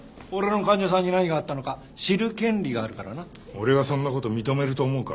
俺がそんな事認めると思うか？